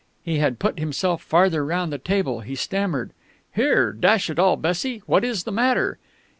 He had put himself farther round the table. He stammered. "Here dash it all, Bessie what is the matter?"